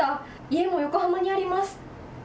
家も横浜にあります。